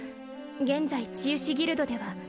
現在治癒士ギルドでは